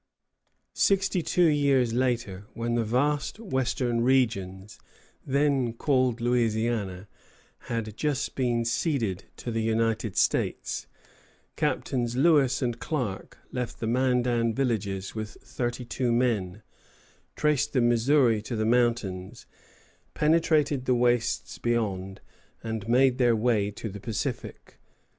Sixty two years later, when the vast western regions then called Louisiana had just been ceded to the United States, Captains Lewis and Clark left the Mandan villages with thirty two men, traced the Missouri to the mountains, penetrated the wastes beyond, and made their way to the Pacific.